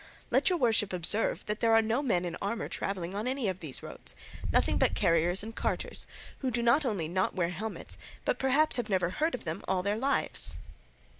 Let your worship observe that there are no men in armour travelling on any of these roads, nothing but carriers and carters, who not only do not wear helmets, but perhaps never heard tell of them all their lives."